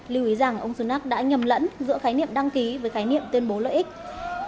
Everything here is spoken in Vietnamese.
lưu ý rằng ông sunak đã nhầm lẫn giữa khái niệm đăng ký với khái niệm tuyên bố lợi ích